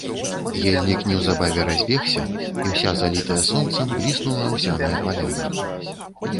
Ельнік неўзабаве разбегся, і, уся залітая сонцам, бліснула аўсяная паляна.